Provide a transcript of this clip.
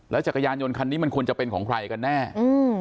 จักรยานยนต์คันนี้มันควรจะเป็นของใครกันแน่อืม